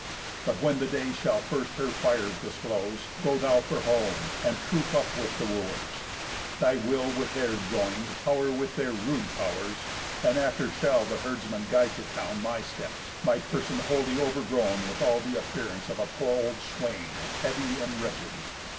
But when the day shall first her fires disclose, Go thou for home, and troop up with the Wooers, Thy will with theirs join'd, pow'r with their rude pow'rs; And after shall the herdsman guide to town My steps, my person wholly overgrown With all appearance of a poor old swain, Heavy, and wretched.